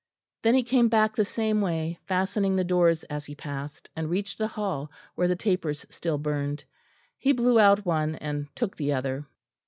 Then he came back the same way, fastening the doors as he passed, and reached the hall, where the tapers still burned. He blew out one and took the other.